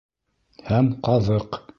Һәм ҡаҙыҡ.